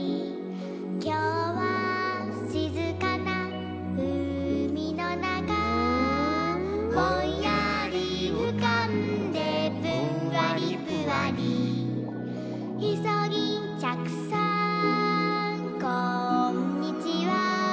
「きょうはしずかなうみのなか」「ぼんやりうかんでぷんわりぷわり」「いそぎんちゃくさんこんにちは！」